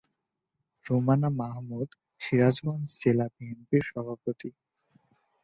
রুমানা মাহমুদ সিরাজগঞ্জ জেলা বিএনপির সভাপতি।